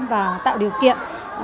và tạo điều kiện